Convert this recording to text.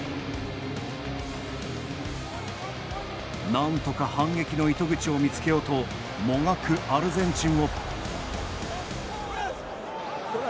なんとか反撃の糸口を見つけようともがくアルゼンチンを。